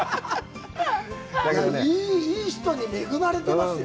いい人に恵まれてますよ。